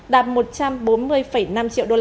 đạt một trăm bốn mươi năm triệu usd